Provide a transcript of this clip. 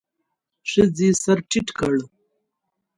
ښځې سر ټيت کړ.